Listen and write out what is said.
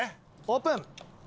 オープン！